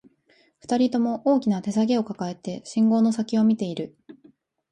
二人とも、大きな手提げを抱えて、信号の先を見ている